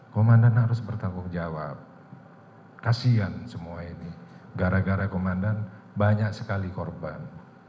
komandan harus bertanggung jawab kasihan semua ini gara gara komandan banyak sekali korban